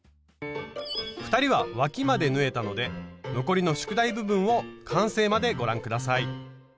２人はわきまで縫えたので残りの宿題部分を完成までご覧下さい。